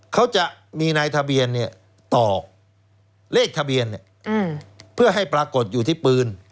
เขาจะมีนายทะเบียนตอกเลขทะเบียนเพื่อให้ปรากฏอยู่ที่ปืน